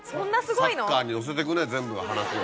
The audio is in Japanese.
サッカーに寄せていくね全部話を。